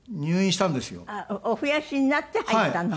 お増やしになって入ったの？